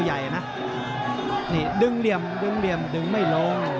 ใหญ่นะนี่ดึงเหลี่ยมดึงเหลี่ยมดึงไม่ลง